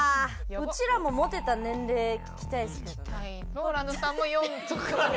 うちらもモテた年齢聞きたいですけどね。